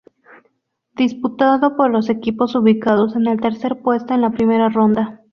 Disputado por los equipos ubicados en el tercer puesto en la primera ronda.